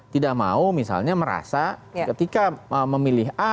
tidak mau misalnya merasa ketika memilih a